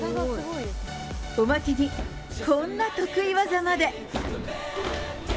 おまけに、こんな得意技まで。